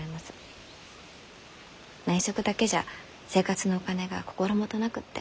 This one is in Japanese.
内職だけじゃ生活のお金が心もとなくって。